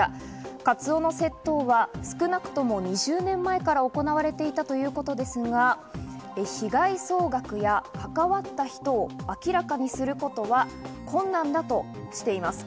カツオの窃盗は少なくとも２０年前から行われていたということですが、被害総額や関わった人を明らかにすることは困難だとしています。